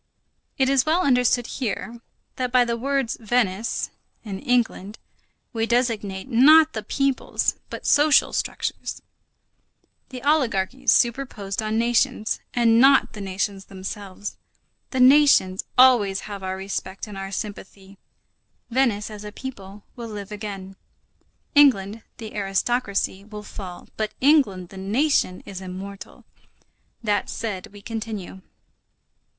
It is well understood here, that by the words Venice, England, we designate not the peoples, but social structures; the oligarchies superposed on nations, and not the nations themselves. The nations always have our respect and our sympathy. Venice, as a people, will live again; England, the aristocracy, will fall, but England, the nation, is immortal. That said, we continue.